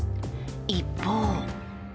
一方。